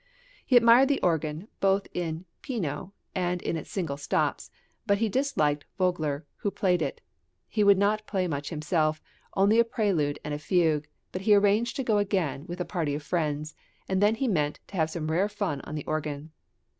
He admired the organ both in pieno and in its single stops, but he disliked Vogler, who played it; he would not play much himself, only a prelude and fugue, but he arranged to go again with a party of friends, and then he meant to "have some rare fun on the organ."